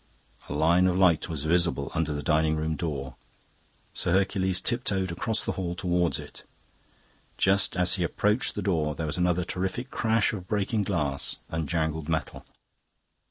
A line of light was visible under the dining room door. Sir Hercules tiptoed across the hall towards it. Just as he approached the door there was another terrific crash of breaking glass and jangled metal.